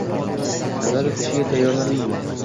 Nazorat ishiga tayyorlandingmi?